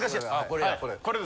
これやこれ。